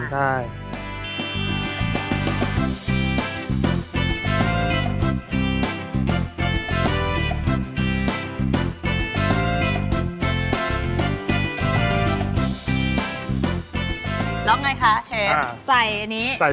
อาหารอาหาร